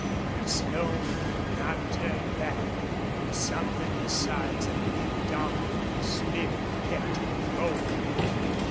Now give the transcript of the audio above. But Slone could not turn back. And something besides an indomitable spirit kept him going.